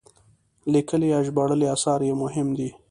لیکلي یا ژباړلي اثار یې مهم دي.